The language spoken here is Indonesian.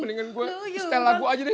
mendingan gue style lagu aja deh